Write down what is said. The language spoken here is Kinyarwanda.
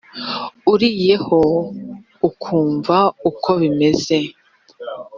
uriyeho ukumva uko bimeze